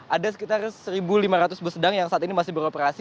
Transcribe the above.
ada sekitar satu lima ratus bus sedang yang saat ini masih beroperasi